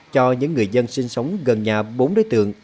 cho những người dân sinh sống gần nhà bốn đối tượng